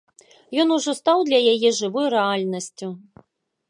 Ён ужо стаў для яе жывой рэальнасцю.